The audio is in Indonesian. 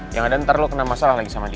yang ada ntar lo kena masalah lagi sama dia